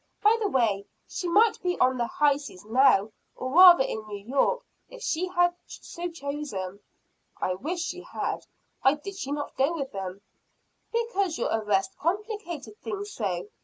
By the way, she might be on the high seas now or rather in New York if she had so chosen." "I wish she had. Why did she not go with them?" "Because your arrest complicated things so.